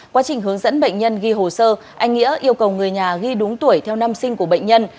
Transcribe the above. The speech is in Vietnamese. quá trình hướng dẫn bệnh nhân ghi hồ sơ anh nghĩa yêu cầu người nhà ghi đúng tuổi theo năm sinh của bệnh nhân